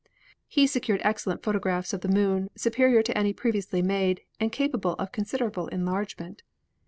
He secured excellent photographs of the Moon, superior to any previously made, and capable of considerable enlargement.